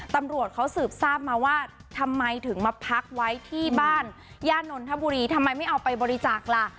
ตำรวจเขาสืบทราบมาว่าทำไมถึงมาพักไว้ที่บ้านย่านนทบุรีทำไมไม่เอาไปบริจาคล่ะ